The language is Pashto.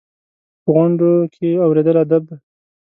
په غونډو کې اورېدل ادب دی.